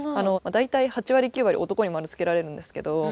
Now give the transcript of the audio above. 大体８割９割男に丸つけられるんですけど。